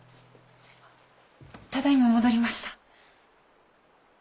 ただいま戻りました。